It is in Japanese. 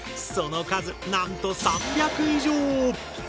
その数なんと３００以上。